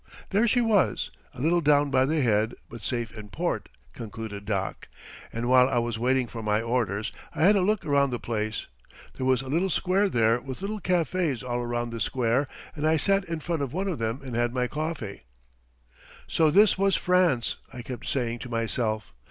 "There she was, a little down by the head, but safe in port," concluded Doc; "and while I was waiting for my orders I had a look around the place. There was a little square there with little cafés all around the square, and I sat in front of one of them and had my coffee." "So this was France," I kept saying to myself.